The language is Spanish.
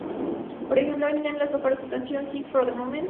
Por ejemplo, Eminem la usó para su canción "Sing for the Moment".